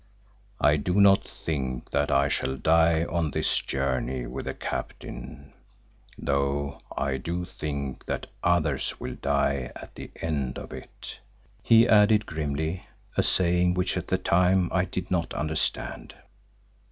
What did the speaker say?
I do not think that I shall die on this journey with the captain, though I do think that others will die at the end of it," he added grimly, a saying which at the time I did not understand.